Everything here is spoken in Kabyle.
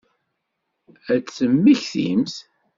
Ad temmektimt?